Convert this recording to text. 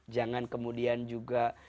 jangan kemudian juga